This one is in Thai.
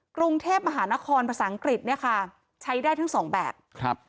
กรุงเทพมหานครภาษาอังกฤษเนี่ยค่ะใช้ได้ทั้งสองแบบครับ